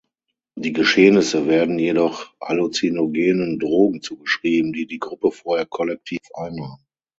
Die Geschehnisse werden jedoch halluzinogenen Drogen zugeschrieben, die die Gruppe vorher kollektiv einnahm.